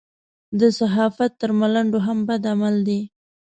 د صحافت تر ملنډو هم بد عمل دی.